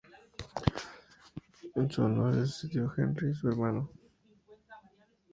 En su honor le sucedió Henry, su hermano.